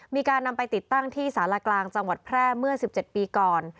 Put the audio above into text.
มีการนำไปติดตั้งที่สารกลางจังหวัดแพร่เมื่อ๑๗ปีก่อน